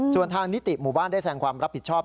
ส่วนทางนิติหมู่บ้านได้แสงความรับผิดชอบ